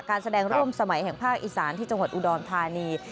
การแสดงร่วมสมัยแห่งภาคอีสานที่จังหวัดอุดรธานี